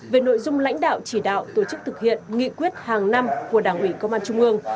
về nội dung lãnh đạo chỉ đạo tổ chức thực hiện nghị quyết hàng năm của đảng ủy công an trung ương